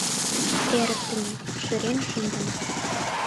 Эрыктыме, шӱрен шындыме.